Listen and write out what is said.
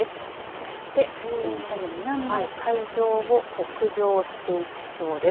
そして、日本の南の海上を北上していきそうです。